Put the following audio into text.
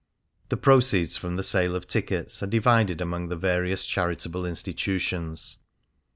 The proceeds from the sale of tickets are divided among the various charitable institutions.